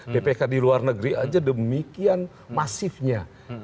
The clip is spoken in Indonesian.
bpk di luar negeri aja demikian masifnya